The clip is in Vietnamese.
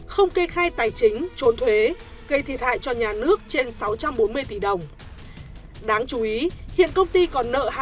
không kê khai tài chính trốn thuế gây thiệt hại cho nhà nước